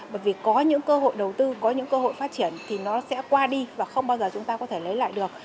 bởi vì có những cơ hội đầu tư có những cơ hội phát triển thì nó sẽ qua đi và không bao giờ chúng ta có thể lấy lại được